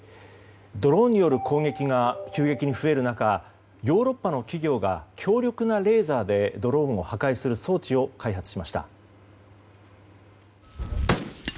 ドローンによる攻撃が急激に増える中ヨーロッパの企業が強力なレーザーでドローンを破壊する装置を開発しました。